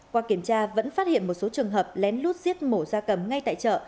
qua kiểm tra vẫn phát hiện một số trường hợp lén lút giết mổ da cầm ngay tại chợ